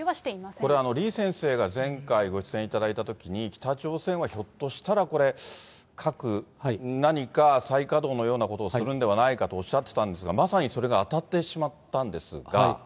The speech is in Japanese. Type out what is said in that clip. これ、李先生が前回、ご出演いただいたときに、北朝鮮はひょっとしたらこれ、核、何か再稼働のようなことをするんではないかということをおっしゃっていたんですけど、まさにそれが当たってしまったんですが。